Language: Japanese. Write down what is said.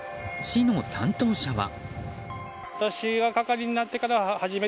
市の担当者は。